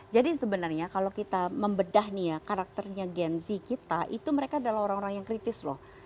jadi sebenarnya kalau kita membedah nih ya karakternya gen z kita itu mereka adalah orang orang yang kritis loh